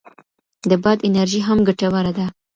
د باد انرژي هم ګټوره ده.